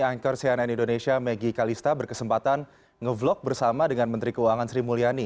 anchor cnn indonesia maggie kalista berkesempatan nge vlog bersama dengan menteri keuangan sri mulyani